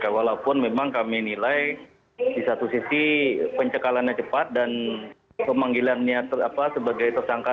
walaupun memang kami nilai di satu sisi pencekalannya cepat dan pemanggilannya sebagai tersangka